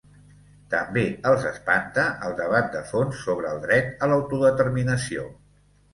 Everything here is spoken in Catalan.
També els espanta el debat de fons sobre el dret a l’autodeterminació.